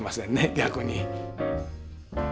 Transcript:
逆に。